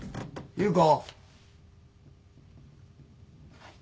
優子！